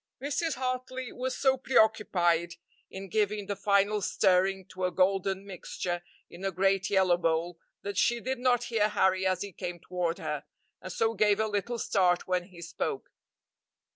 Mrs. Hartley was so preoccupied in giving the final stirring to a golden mixture in a great yellow bowl that she did not hear Harry as he came toward her, and so gave a little start when he spoke.